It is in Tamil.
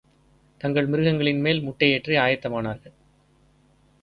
தங்கள் மிருகங்களின்மேல் முட்டை ஏற்றி ஆயத்தமானார்கள்.